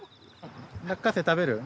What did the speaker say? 落花生食べる？